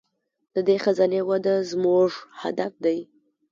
د دې خزانې وده زموږ هدف دی.